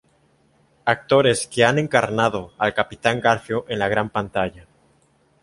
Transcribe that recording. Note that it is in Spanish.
Actores que han encarnado al Capitán Garfio en la gran pantalla.